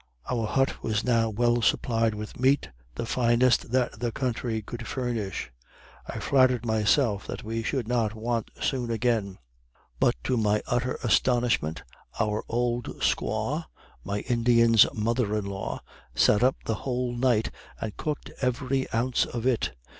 Our hut was now well supplied with meat, the finest that the country could furnish. I flattered myself that we should not want soon again; but to my utter astonishment, our old squaw, my Indian's mother in law, sat up the whole night and cooked every ounce of it!